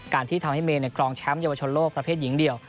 ที่ทำให้เมย์กรองแชมป์เยาวชนโลกประเภทหญิงเดียว